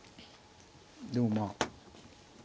でもまあ。